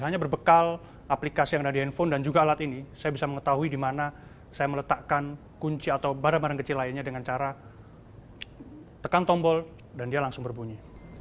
hanya berbekal aplikasi yang ada di handphone dan juga alat ini saya bisa mengetahui di mana saya meletakkan kunci atau barang barang kecil lainnya dengan cara tekan tombol dan dia langsung berbunyi